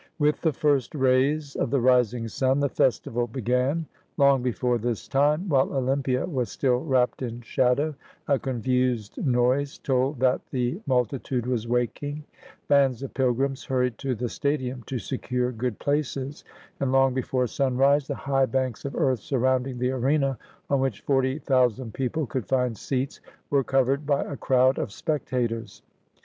With the first rays of the rising sun the festival be gan. Long before this time, while Olympia was still wrapped in shadow, a confused noise told that the mul titude was waking; bands of pilgrims hurried to the stadium to secure good places, and long before sunrise the high banks of earth surrounding the arena, on which forty thousand people could find seats, were covered by a crowd of spectators.